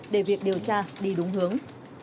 để việc điều tra đi đúng hướng